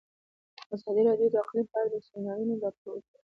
ازادي راډیو د اقلیم په اړه د سیمینارونو راپورونه ورکړي.